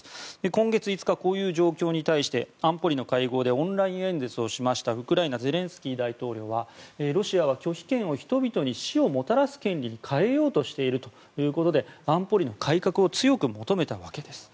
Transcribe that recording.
今月５日、こういう状況に関して安保理の会合でオンライン演説をしましたウクライナゼレンスキー大統領はロシアは拒否権を人々に死をもたらす権利に変えようとしているということで安保理の改革を強く求めたわけです。